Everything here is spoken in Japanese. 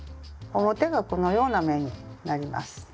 表がこのような目になります。